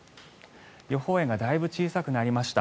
予報円がだいぶ小さくなりました。